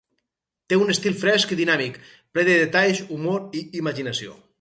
Té un estil fresc i dinàmic, ple de detalls, humor i imaginació.